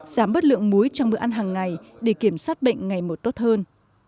giảm bớt lượng muối trong bữa ăn hàng ngày để kiểm soát bệnh ngày một tốt hơn